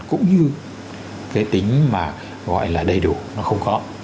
cũng như cái tính mà gọi là đầy đủ nó không khó